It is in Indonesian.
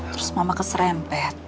terus mama keserempet